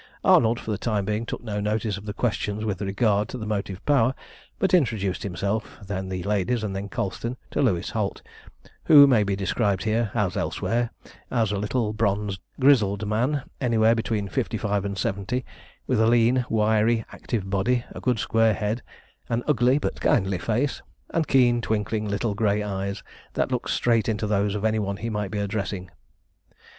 Arnold for the time being took no notice of the questions with regard to the motive power, but introduced first himself, then the ladies, and then Colston, to Louis Holt, who may be described here, as elsewhere, as a little, bronzed, grizzled man, anywhere between fifty five and seventy, with a lean, wiry, active body, a good square head, an ugly but kindly face, and keen, twinkling little grey eyes, that looked straight into those of any one he might be addressing.